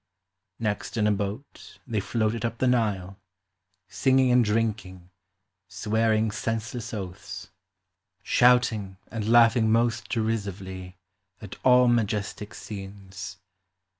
" Next in a boat they floated up the Nile, Singing and drinking, swearing senseless oaths, Shouting, and lauglii ng most derisively At all majestic scenes.